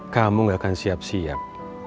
kamu gak akan siap siap